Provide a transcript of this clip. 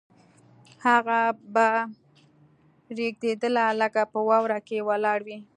هغه به رېږدېدله لکه په واورو کې ولاړه وي